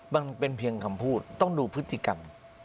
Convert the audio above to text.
มันเป็นเพียงคำพูดต้องดูพฤติกรรม